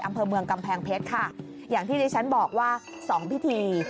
อำเภอเมืองกำแพงเพชรค่ะอย่างที่ดิฉันบอกว่าสองพิธี